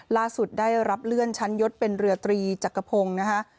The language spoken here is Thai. ล่าสุดได้รับเลื่อนชั้นยศเป็นเรือตรีจักรพงศ์นะคะ